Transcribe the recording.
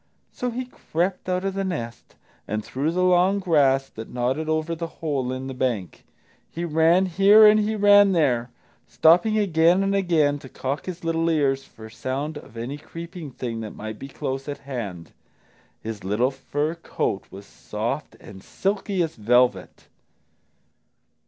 So he crept out of the nest and through the long grass that nodded over the hole in the bank. He ran here and he ran there, stopping again and again to cock his little ears for sound of any creeping thing that might be close at hand. His little fur coat was soft and silky as velvet.